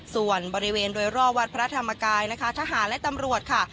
ส่วนบริเวณโดยรอบวัดพระธรรมกายนะคะทหารและตำรวจค่ะ